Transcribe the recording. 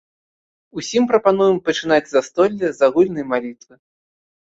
Усім прапануем пачынаць застолле з агульнай малітвы.